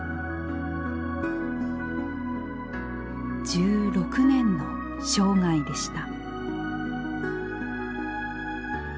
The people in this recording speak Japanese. １６年の生涯でした。